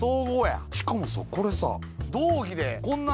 しかもさこれさ。